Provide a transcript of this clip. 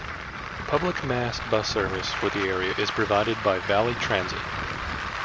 Public mass bus service for the area is provided by Valley Transit.